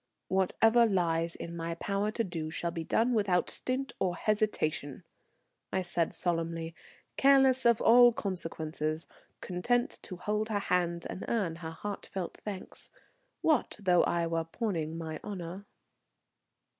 "Whatever lies in my power to do shall be done without stint or hesitation," I said solemnly, careless of all consequences, content to hold her hand and earn her heartfelt thanks. What though I were pawning my honour?